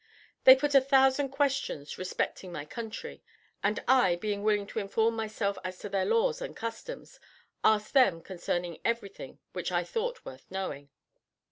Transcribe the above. They put a thousand questions respecting my country; and I, being willing to inform myself as to their laws and customs, asked them concerning everything which I thought worth knowing.